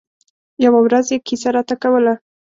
يوه ورځ يې کیسه راته کوله.